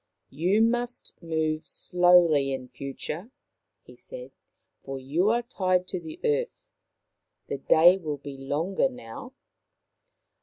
" You must move slowly in future," he said, " for you are tied to the earth. The day will be longer now."